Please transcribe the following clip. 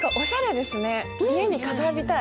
家に飾りたい。